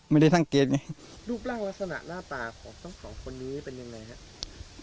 ไม่ได้ทำเกตไงรูปร่างลักษณะหน้าตาของสองคนนี้เป็นยังไงฮะ